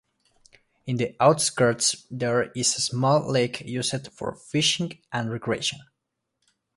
In the outskirts there is a small lake used for fishing and recreation.